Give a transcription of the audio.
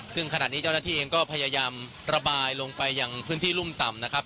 ซึ่งขณะนี้เจ้าหน้าที่เองก็พยายามระบายลงไปยังพื้นที่รุ่มต่ำนะครับ